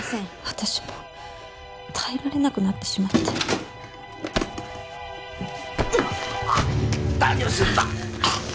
私も耐えられなくなってしまって何をするんだッ